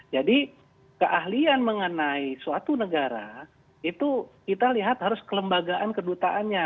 jadi keahlian mengenai suatu negara itu kita lihat harus kelembagaan kedutaannya